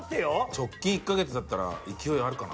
直近１カ月だったら勢いあるかな？